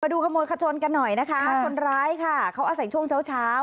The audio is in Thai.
ดูขโมยขจนกันหน่อยนะคะคนร้ายค่ะเขาอาศัยช่วงเช้าเช้า